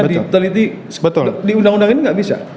di undang undang ini tidak bisa